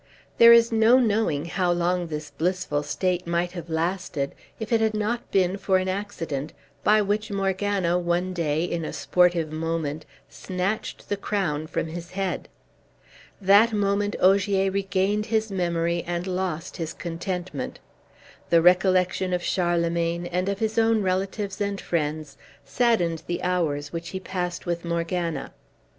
There is no knowing how long this blissful state might have lasted, if it had not been for an accident, by which Morgana one day, in a sportive moment, snatched the crown from his head. That moment Ogier regained his memory, and lost his contentment. The recollection of Charlemagne, and of his own relatives and friends, saddened the hours which he passed with Morgana.